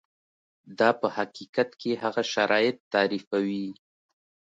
دا په حقیقت کې هغه شرایط تعریفوي.